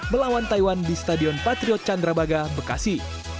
melawan taiwan di stadion patriot candrabaga bekasi